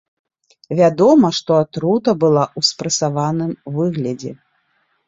Вядома, што атрута была ў спрэсаваным выглядзе.